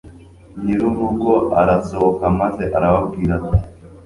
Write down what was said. nyir'urugo arasohoka maze arababwira ati